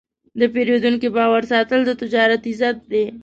د پیرودونکي باور ساتل د تجارت عزت دی.